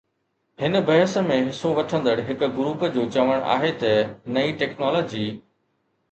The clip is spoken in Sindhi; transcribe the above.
هن بحث ۾ حصو وٺندڙ هڪ گروپ جو چوڻ آهي ته نئين ٽيڪنالاجي